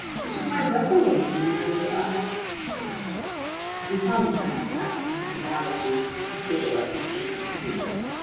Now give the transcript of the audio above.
It took my breath away, in a manner of ..." Confounded by this lapse into banality, Conseil left his sentence hanging.